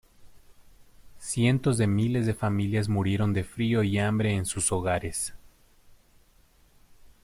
Cientos de miles de familias murieron de frío y hambre en sus hogares.